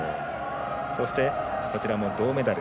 そして、こちらの銅メダル